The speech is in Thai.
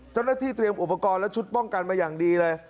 เจ้าหน้าที่เตรียมอุปกรณ์และชุดป้องกันมาอย่างดีเลย